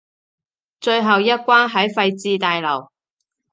最後一關喺廢置大樓